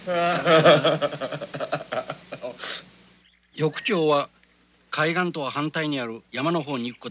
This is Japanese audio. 翌朝は海岸とは反対にある山の方に行くことになりました。